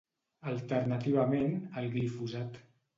Alternativament el glifosat.